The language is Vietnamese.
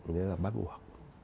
đấy là bắt buộc